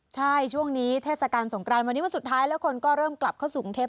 ใช่ช่วงนี้เทศกาลสงกรานวันนี้วันสุดท้ายแล้วคนก็เริ่มกลับเข้าสู่กรุงเทพ